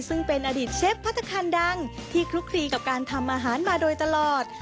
ซึ่งเป็นอดีตเชฟพัฒนาคารดังที่คลุกคลีกับการทำอาหารมาโดยตลอด